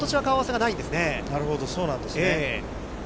なるほど、そうなんですね。